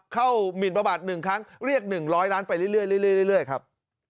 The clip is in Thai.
หมินประมาท๑ครั้งเรียก๑๐๐ล้านไปเรื่อยครับ